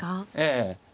ええ。